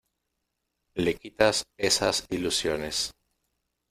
le quitas esas ilusiones.